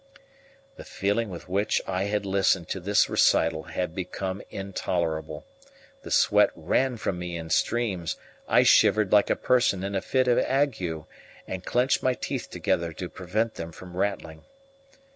The feeling with which I had listened to this recital had become intolerable. The sweat ran from me in streams; I shivered like a person in a fit of ague, and clenched my teeth together to prevent them from rattling.